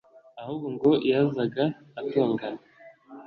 ahubwo ngo yazaga atongana